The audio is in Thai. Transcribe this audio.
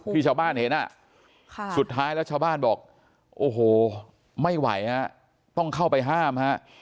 ที่ชาวบ้านเห็นสุดท้ายแล้วชาวบ้านบอกโอ้โหไม่ไหวฮะต้องเข้าไปห้ามฮะ